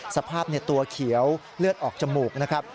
สภาพตัวเขียวเลือดออกจมูกนะครับ